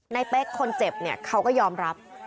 เป๊กคนเจ็บเนี่ยเขาก็ยอมรับ